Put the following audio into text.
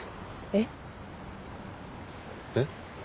えっ？えっ？